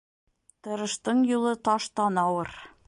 Тырыштың юлы таштан ауыр.